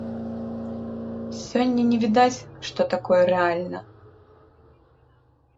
Сёння не відаць, што такое рэальна.